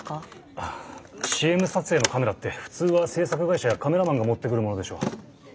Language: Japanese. ああＣＭ撮影のカメラって普通は制作会社やカメラマンが持ってくるものでしょう。